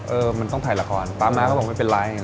เออมันต้องถ่ายละครต้องถ่ายละครต้องถ่ายละครต้องถ่ายละคร